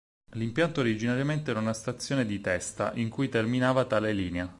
L'impianto originariamente era una stazione di testa, in cui terminava tale linea.